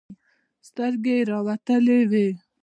سترګې يې راوتلې وې.